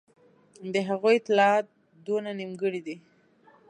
د هغوی اطلاعات دونه نیمګړي دي.